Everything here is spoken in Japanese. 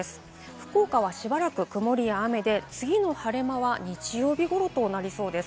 福岡はしばらく曇りや雨で、次の晴れ間は日曜日頃となりそうです。